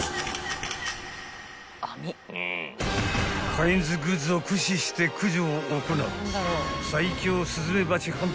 ［カインズグッズを駆使して駆除を行う］